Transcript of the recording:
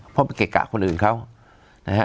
เพราะเป็นเกร็ดกะคนอื่นเขานะฮะ